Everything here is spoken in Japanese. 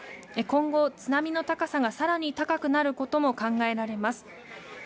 今後、津波の高さがさらに高くなることも考えられます。